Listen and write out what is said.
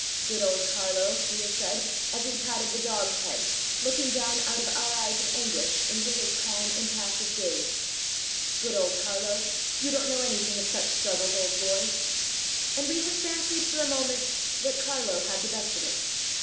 'Good old Carlo!' we have said, as we patted the dog's head, looking down out of our eyes of anguish into his calm, impassive gaze. 'Good old Carlo, you don't know anything of such struggles, old boy!' And we have fancied for a moment that Carlo had the best of it.